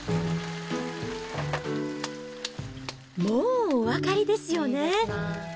もうお分かりですよね。